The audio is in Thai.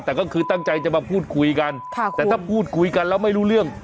แต่ก็คือตั้งใจจะมาพูดคุยกันแต่ถ้าพูดคุยกันแล้วไม่รู้เรื่อง